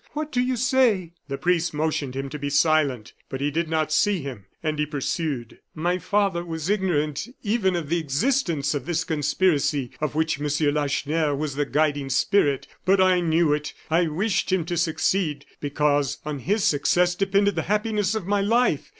what do you say?" The priest motioned him to be silent; but he did not see him, and he pursued: "My father was ignorant even of the existence of this conspiracy of which Monsieur Lacheneur was the guiding spirit; but I knew it I wished him to succeed, because on his success depended the happiness of my life.